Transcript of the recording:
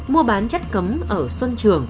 mua bán chất cấm ở xuân trường